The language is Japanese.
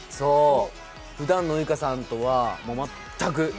ふだんのウイカさんとは全く。